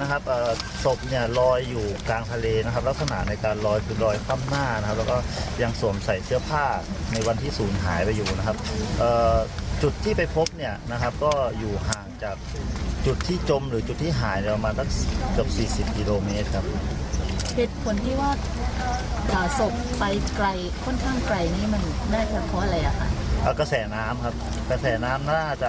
กระแสน้ำครับกระแสน้ำน่าจะพัดผ้าไปจากนั้น